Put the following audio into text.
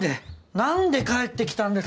何で帰ってきたんです？